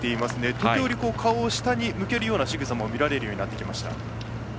時折、顔を下に向けるようなしぐさも見られるようになってきました。